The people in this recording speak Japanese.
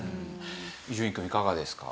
伊集院くんいかがですか？